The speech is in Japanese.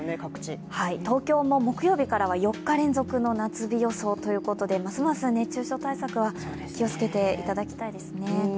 はい、東京も木曜日からは４日連続の夏日予想ということでますます熱中症対策は気をつけていただきたいですね。